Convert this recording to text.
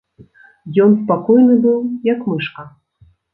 Ён спакойны быў як мышка!